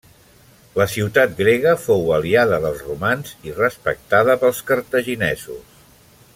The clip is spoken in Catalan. La ciutat grega fou aliada dels romans i respectada pels cartaginesos.